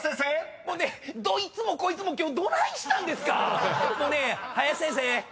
どいつもこいつも今日どないしたんですか⁉もうね林先生